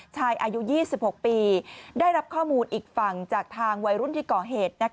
อายุ๒๖ปีได้รับข้อมูลอีกฝั่งจากทางวัยรุ่นที่ก่อเหตุ